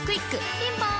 ピンポーン